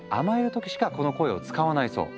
時しかこの声を使わないそう。